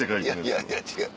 いやいや違う。